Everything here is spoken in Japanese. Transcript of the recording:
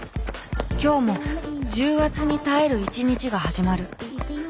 今日も重圧に耐える一日が始まる。